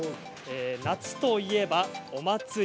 夏といえばお祭り。